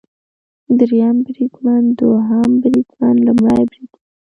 دریم بریدمن، دوهم بریدمن ، لومړی بریدمن